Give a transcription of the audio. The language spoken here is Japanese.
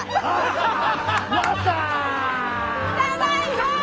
ただいま！